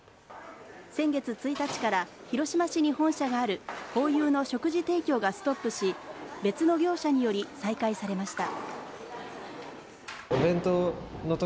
先月１日から広島市に本社があるホーユーの食事提供がストップし別の業者により再開されました。